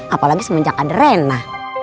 apalagi semenjak ada rena